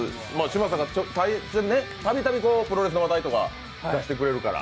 嶋佐がたびたびプロレスの話題とか出してくれるから。